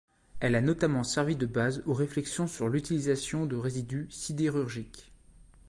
Elle a notamment servi de base aux réflexions sur l’utilisation de résidus sidérurgiques.